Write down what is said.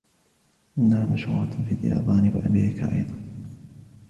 إنها مشهورة في اليابان وأمريكا أيضًا.